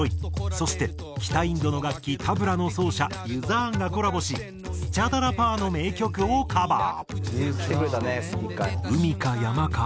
そして北インドの楽器タブラの奏者Ｕ−ｚｈａａｎがコラボしスチャダラパーの名曲をカバー。